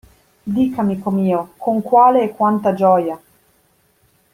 Dick, amico mio, con quale e quanta gioia!